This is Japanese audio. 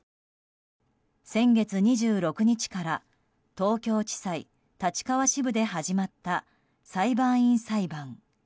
先月２６日から東京地裁立川支部で始まった裁判員裁判。